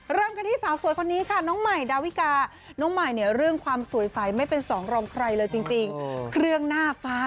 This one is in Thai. แล้วพอแต่งแต้มสีสันบนเวย้าหนิดหนึ่งหน่อยนะ